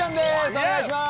お願いします。